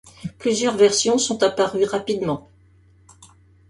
Plusieurs versions sont apparues rapidement.